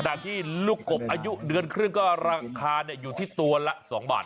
ที่ลูกกบอายุเดือนครึ่งก็ราคาอยู่ที่ตัวละ๒บาท